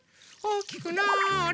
おおきくなあれ。